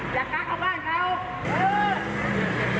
น้องขนาดไหนครับ